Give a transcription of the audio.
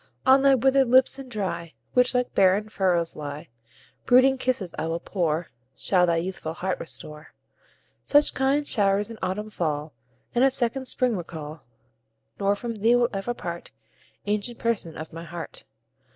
On thy withered lips and dry, Which like barren furrows lie, Brooding kisses I will pour, Shall thy youthful heart restore, Such kind show'rs in autumn fall, And a second spring recall; Nor from thee will ever part, Ancient Person of my heart.